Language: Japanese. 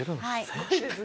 すごいですね。